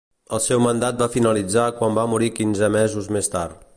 El seu mandat va finalitzar quan va morir quinze mesos més tard.